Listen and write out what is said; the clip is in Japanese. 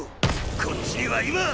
こっちには今！